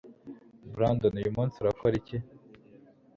brandon uyu munsi urakora iki